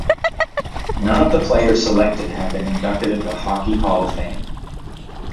None of the players selected have been inducted into the Hockey Hall of Fame.